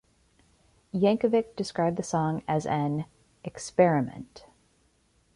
Yankovic described the song as an "experiment".